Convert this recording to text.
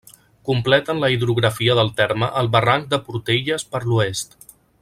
Completen la hidrografia del terme el barranc de Portelles per l'oest.